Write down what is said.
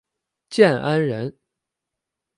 建安人。